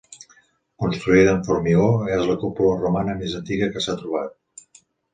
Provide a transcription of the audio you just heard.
Construïda amb formigó, és la cúpula romana més antiga que s'ha trobat.